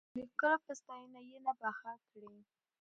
د ښکلو په ستاينه، ينه پخه کړې